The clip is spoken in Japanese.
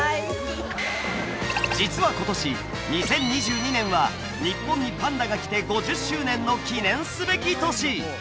実は今年２０２２年は日本にパンダが来て５０周年の記念すべき年！